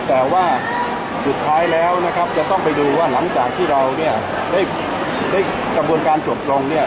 แต่ว่าสุดท้ายแล้วนะครับจะต้องไปดูว่าหลังจากที่เราเนี่ยได้กระบวนการจบลงเนี่ย